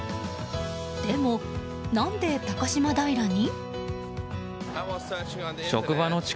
でも、何で高島平に？